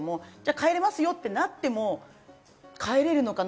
帰れますよってなっても帰れるのかな？